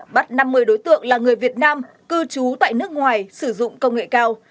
bắt năm mươi đối tượng là người việt nam cư trú tại nước ngoài sử dụng công nghệ cao